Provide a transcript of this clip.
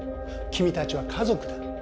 「君たちは家族だ」